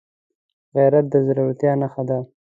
غیرت د زړورتیا نښه ده